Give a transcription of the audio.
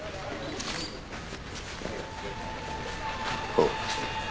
おう。